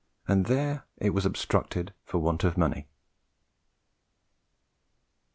and there it was obstructed for want of money."